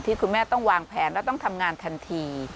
คุณแม่ต้องวางแผนแล้วต้องทำงานทันที